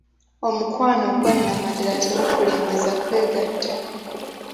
Omukwano ogwanamaddala tegukulembeza kwegatta.